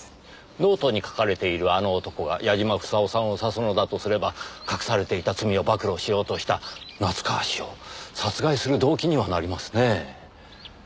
ノートに書かれている「あの男」が矢嶋房夫さんを指すのだとすれば隠されていた罪を暴露しようとした夏河氏を殺害する動機にはなりますねぇ。